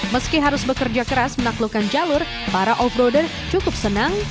meski harus bekerja keras menaklukkan jalur para off roader cukup senang